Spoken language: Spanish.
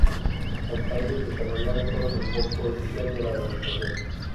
Los países desarrollados fueron el foco inicial de la organización.